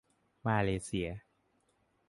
มาเลเซีย